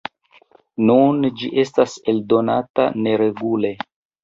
Nun ĝi estas eldonata neregule.